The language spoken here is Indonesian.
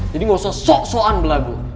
jadi gak usah sok sokan berlagu